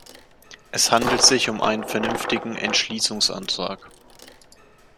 Es handelt sich um einen vernünftigen Entschließungsantrag.